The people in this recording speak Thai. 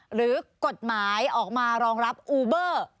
หรือกฎหมายออกมารองรับอูเบอร์